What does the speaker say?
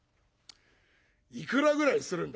いくらぐらいするんだ？」。